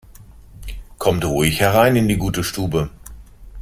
Kommt ruhig herein in die gute Stube!